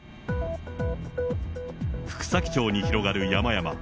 福崎町に広がる山々。